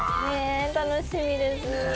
ね楽しみです。